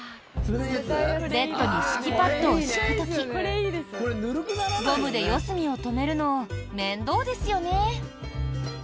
ベッドに敷きパッドを敷く時ゴムで四隅を留めるの面倒ですよね？